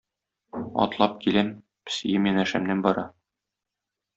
Атлап киләм, песием янәшәмнән бара